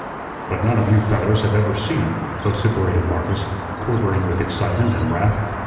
"But none of you fellers have ever seen um," vociferated Marcus, quivering with excitement and wrath.